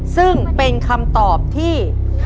ซึ่งเป็นคำตอบที่